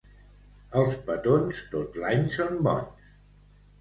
Els petons tot l'any són bons.